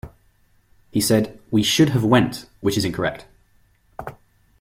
He said, "We should have "went," which is incorrect.